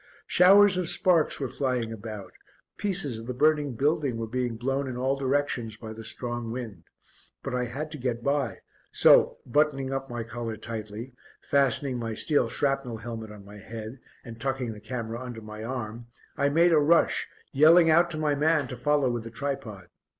Showers of sparks were flying about, pieces of the burning building were being blown in all directions by the strong wind. But I had to get by, so, buttoning up my collar tightly, fastening my steel shrapnel helmet on my head, and tucking the camera under my arm, I made a rush, yelling out to my man to follow with the tripod.